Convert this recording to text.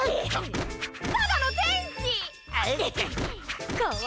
ただの天使！